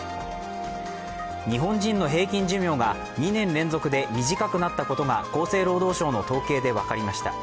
日本人の平均寿命が２年連続で短くなったことが厚生労働省の統計で分かりました。